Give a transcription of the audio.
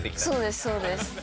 そうですそうです。